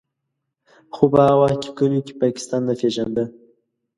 خو په هغه وخت کې کلیو کې پاکستان نه پېژانده.